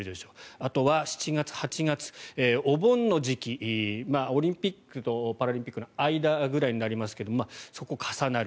あとは７月、８月お盆の時期オリンピックとパラリンピックの間くらいになりますがそこ、重なる。